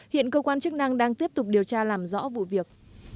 hiện cơ quan chức năng đang tiếp tục điều tra làm rõ vụ việc